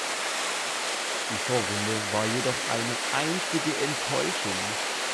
Die Vorrunde war jedoch eine einzige Enttäuschung.